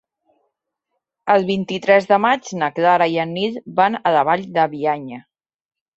El vint-i-tres de maig na Clara i en Nil van a la Vall de Bianya.